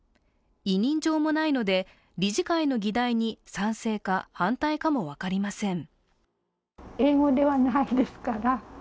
委任状もないので理事会の議題に賛成か反対かも分かりません。